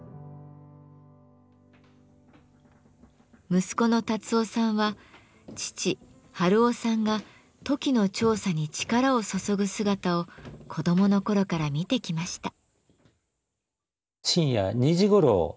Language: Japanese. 息子の辰夫さんは父・春雄さんがトキの調査に力を注ぐ姿を子供の頃から見てきました。